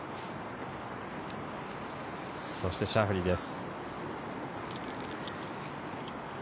そしてシャフリーです。